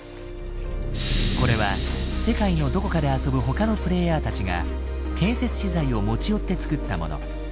これは世界のどこかで遊ぶ他のプレイヤーたちが建設資材を持ち寄ってつくったもの。